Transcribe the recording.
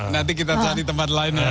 nanti kita cari tempat lain